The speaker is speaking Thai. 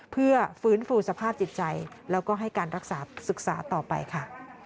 เพื่อฟื้นฟูสภาพจิตใจแล้วก็ให้การรักษาศึกษาต่อไปค่ะ